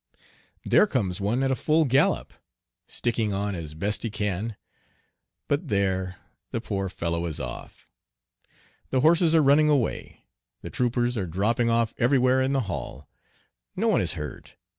There comes one at a full gallop, sticking on as best he can; but there, the poor fellow is off. The horses are running away. The troopers are dropping off everywhere in the hall. No one is hurt.